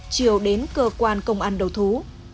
triều đến cơ quan công an đầu thú